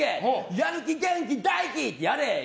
やる気、元気、大毅！ってやれ！って